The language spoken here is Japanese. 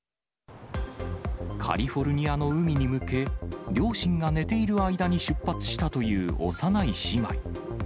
カリフォルニアの海に向け、両親が寝ている間に出発したという幼い姉妹。